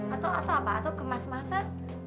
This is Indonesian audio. atau apa atau kemas masan